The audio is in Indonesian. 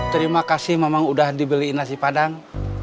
terima kasih memang udah dibeliin nasi padang